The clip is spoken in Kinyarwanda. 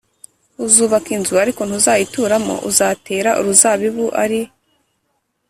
uzubaka inzu ariko ntuzayituramo uzatera uruzabibu ari